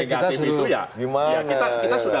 kita sudah gimana ya kita sudah